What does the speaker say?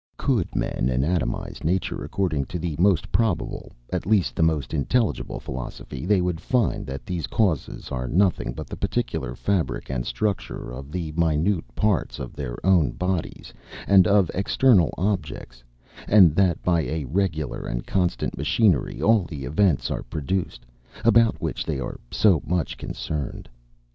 Could men anatomize nature, according to the most probable, at least the most intelligible philosophy, they would find that these causes are nothing but the particular fabric and structure of the minute parts of their own bodies and of external objects; and that by a regular and constant machinery, all the events are produced, about which they are so much concerned....